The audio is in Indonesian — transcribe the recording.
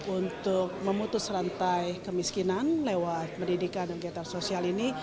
untuk memutus rantai kemiskinan lewat pendidikan dan kegiatan sosial ini